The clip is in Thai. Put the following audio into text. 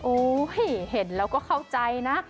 โอ้โฮเห็นแล้วก็เข้าใจนะ